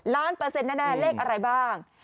ล้านเปอร์เซ็นต์แน่เลขอะไรบ้าง